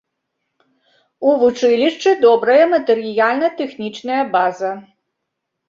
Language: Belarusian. У вучылішчы добрая матэрыяльна-тэхнічная база.